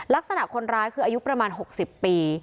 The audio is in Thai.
ลักษณะคนร้ายคืออายุประมาณ๖๐ปี